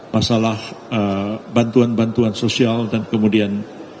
masalah bantuan bantuan sosial dan kemudian